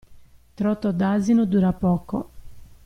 Trotto d'asino dura poco.